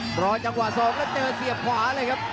ปล่อยจังหวะ๒แล้วเจอเสียบขวาเลยครับ